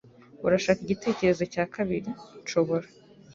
Urashaka igitekerezo cya kabiri? Nshobora